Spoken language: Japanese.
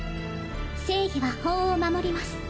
正義は法を守ります。